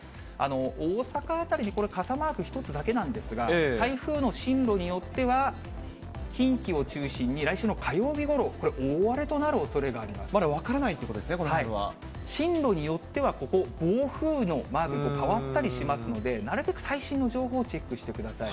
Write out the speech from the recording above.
大阪辺りに傘マーク１つだけなんですが、台風の進路によっては、近畿を中心に来週の火曜日ごろ、これ、大荒れとなるおそれがありまだ分からないということで進路によってはここ、暴風雨のマークに変わったりしますので、なるべく最新の情報をチェックしてください。